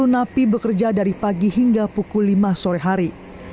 dua puluh napi bekerja dari pagi hingga pukul lima sore hari